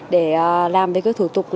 để làm tới các thủ tục